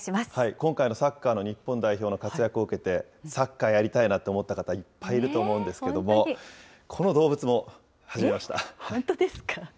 今回のサッカーの日本代表の活躍を受けて、サッカーやりたいなって思った方、いっぱいいると思うんですけども、この動物も始めました。